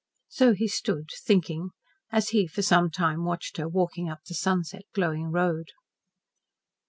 So he stood, thinking, as he for some time watched her walking up the sunset glowing road.